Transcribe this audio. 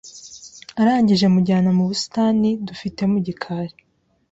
Arangije mujyana mubusitani dufite mugikari